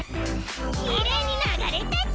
きれいにながれたち！